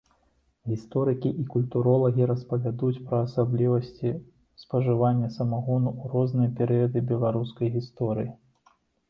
Гісторыкі і культуролагі распавядуць пра асаблівасці спажывання самагону ў розныя перыяды беларускай гісторыі.